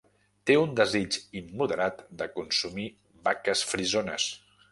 Té un desig immoderat de consumir vaques frisones.